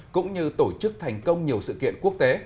cũng như tổ chức thành công nhiều sự kiện quốc tế